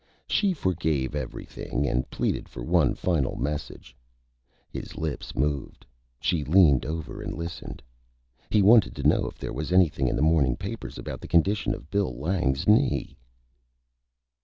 She forgave Everything and pleaded for one Final Message. His Lips moved. She leaned over and Listened. He wanted to know if there was Anything in the Morning Papers about the Condition of Bill Lange's Knee.